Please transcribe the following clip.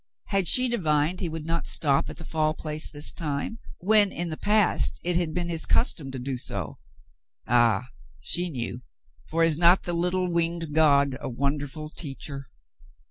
Had she divined he would not stop at the Fall Place this time, when in the past it had been his custom to do so ^ Ah, she knew ; for is not the little winged god a wonderful teacher